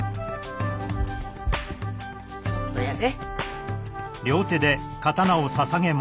そっとやで。